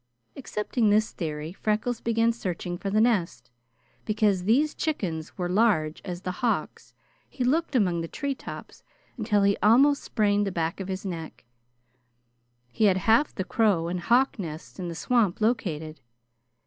Accepting this theory, Freckles began searching for the nest. Because these "chickens" were large, as the hawks, he looked among the treetops until he almost sprained the back of his neck. He had half the crow and hawk nests in the swamp located.